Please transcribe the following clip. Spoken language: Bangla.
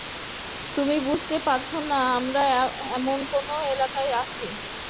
তুমি বুঝতে পারছো না আমরা এখন তার এলাকায় আছি।